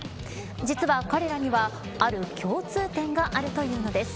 実は、彼らにはある共通点があるというのです。